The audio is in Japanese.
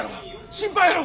心配やろ。